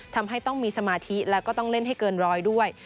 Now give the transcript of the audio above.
ทำให้ต้องมีสมาธิแล้วก็ต้องเล่นให้เกินร้อยด้วย